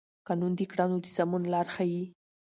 قانون د کړنو د سمون لار ښيي.